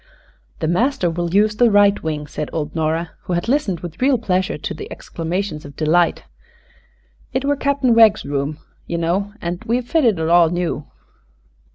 "The master will use the right wing," said old Nora, who had listened with real pleasure to the exclamations of delight. "It were Cap'n Wegg's room, ye know, an' we've fitted it all new."